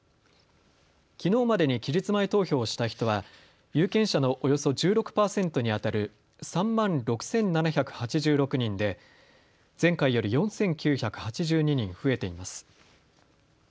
きのうまでに期日前投票をした人は有権者のおよそ１６％にあたる３万６７８６人で前回より４９８２人増えています。